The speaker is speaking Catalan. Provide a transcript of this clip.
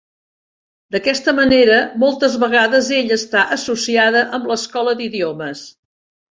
D"aquesta manera, moltes vegades ella està associada amb l"Escola d"idiomes.